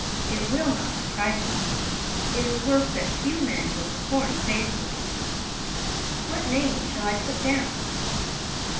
It will not surprise me. It is work that few men would perform faithfully. What name shall I put down?"